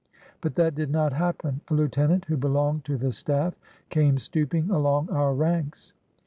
But that did not happen. A lieutenant who belonged to the staff came stooping along our ranks.